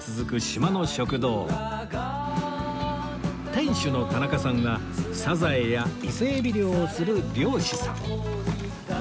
店主の田中さんはサザエや伊勢海老漁をする漁師さん